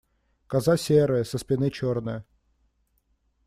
Коза серая, со спины черная.